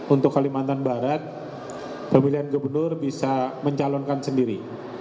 untuk kalimantan barat pemilihan gubernur bisa mencalonkan sendiri